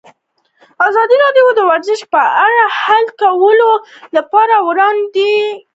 ازادي راډیو د ورزش په اړه د حل کولو لپاره وړاندیزونه کړي.